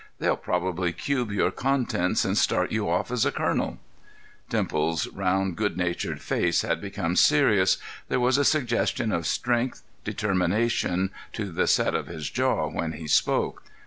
They'll probably cube your contents and start you off as a colonel." Dimples's round, good natured face had become serious; there was a suggestion of strength, determination, to the set of his jaw when he spoke.